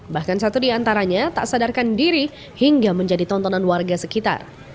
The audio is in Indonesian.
bahkan satu di antaranya tak sadarkan diri hingga menjadi tontonan warga sekitar